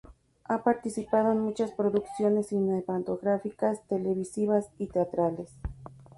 Ha participado en muchas producciones cinematográficas, televisivas y teatrales.